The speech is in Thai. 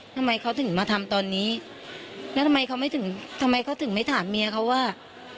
ทำไมเขาถึงมาทำตอนนี้แล้วทำไมเขาถึงไม่ถามเมียเขาว่า